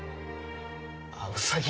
あウサギ？